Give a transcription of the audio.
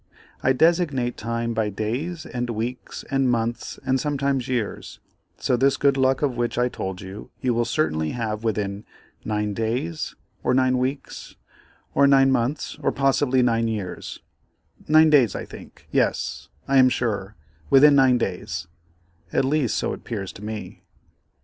I designate time by days, and weeks, and months, and sometimes years, so this good luck of which I told you, you will certainly have within 9 days, or 9 weeks, or 9 months, or possibly 9 years—9 days I think; yes, I am sure; within 9 days, at least so it 'pears to me.